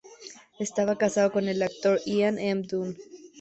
Estaba casada con el actor Ian M. Dunn.